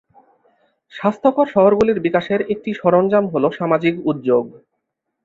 স্বাস্থ্যকর শহরগুলির বিকাশের একটি সরঞ্জাম হল সামাজিক উদ্যোগ।